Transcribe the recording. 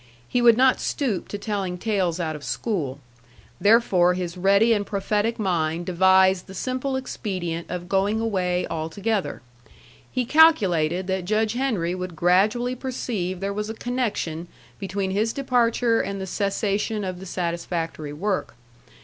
He would not stoop to telling tales out of school. Therefore his ready and prophetic mind devised the simple expedient of going away altogether. He calculated that Judge Henry would gradually perceive there was a connection between his departure and the cessation of the satisfactory work.